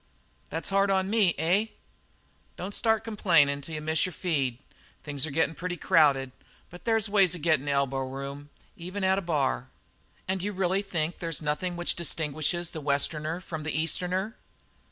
"That's hard on me, eh?" "Don't start complainin' till you miss your feed. Things are gettin' pretty crowded, but there's ways of gettin' elbow room even at a bar." "And you really think there's nothing which distinguishes the Westerner from the Easterner?"